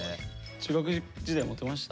中学時代モテました？